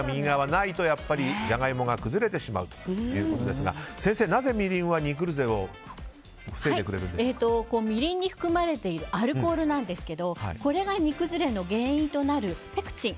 ないと、やっぱりジャガイモが崩れてしまうということですが先生、なぜみりんは煮崩れをみりんに含まれているアルコールなんですがこれが煮崩れの原因となるペクチン。